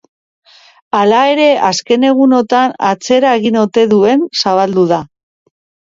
Hala ere, azken egunotan atzera egin ote duen zabaldu da.